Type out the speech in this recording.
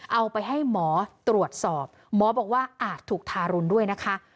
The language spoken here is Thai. เอาไปให้หมอตรวจสอบหมอบอกว่าอาจถูกทารุณด้วยนะคะ